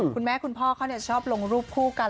คุณแม่คุณพ่อเขาชอบลงรูปคู่กัน